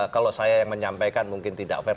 kalau saya yang menyampaikan mungkin tidak fair